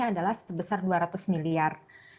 adalah sebesar dua ratus miliar